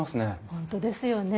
本当ですよね。